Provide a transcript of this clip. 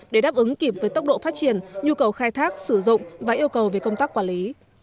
để đáp ứng kịp với tốc độ phát triển nhu cầu khai thác sử dụng và yêu cầu về công tác quản lý